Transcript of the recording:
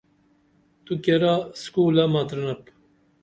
تو کیرا اِسکولہ مترینپ؟